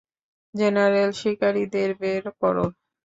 General, শিকারীদের বের করো।